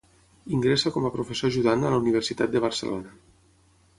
Ingressa com a professor ajudant a la Universitat de Barcelona.